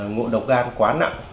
ngộ độc gan quá nặng